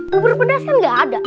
bubur pedas kan nggak ada